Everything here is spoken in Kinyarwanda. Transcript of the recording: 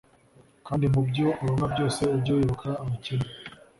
kandi mu byo uronka byose ujye wibuka abakene